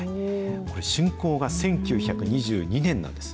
これ、しゅんこうが１９２２年なんです。